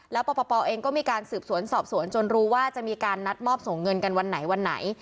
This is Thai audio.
แล้วปปเองก็มีการสืบสวนสอบสวนจนรู้ว่าจะมีการนัดมอบส่งเงินกันวันไหนวันไหน